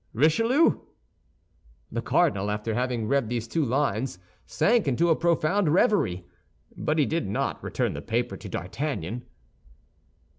"RICHELIEU" The cardinal, after having read these two lines, sank into a profound reverie; but he did not return the paper to D'Artagnan.